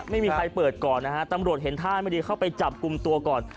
ไม่มีใครเปิดก่อนนะฮะตำรวจเห็นท่าไม่ดีเข้าไปจับกลุ่มตัวก่อน